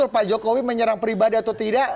pak jokowi menyerang pribadi atau tidak